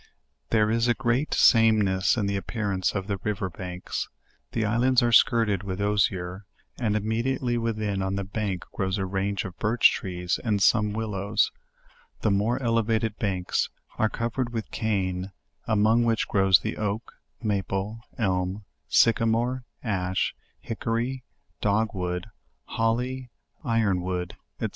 There is a great sameness in the appearance of the river banks; the islands are skirted with osier; and immediately within, on the bank, grows a range of birch trees and some willows; the more elevated banks are covered with cane, a inong which grows the oak, maple, elm, sycamore, ash, hick ory, dog wood, holly, iron wood, &c.